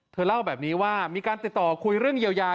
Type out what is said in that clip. เล่าแบบนี้ว่ามีการติดต่อคุยเรื่องเยียวยา